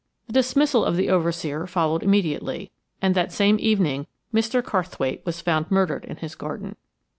The dismissal of the overseer followed immediately, and that same evening Mr. Carrthwaite was found murdered in his garden.